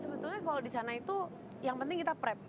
sebetulnya kalau di sana itu yang penting kita prap